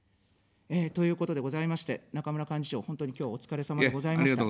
ということでございまして、中村幹事長、本当に今日はお疲れさまでございました。